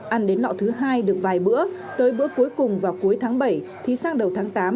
ăn đến nọ thứ hai được vài bữa tới bữa cuối cùng vào cuối tháng bảy thì sang đầu tháng tám